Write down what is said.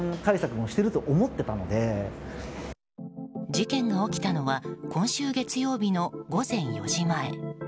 事件が起きたのは今週月曜日の午前４時前。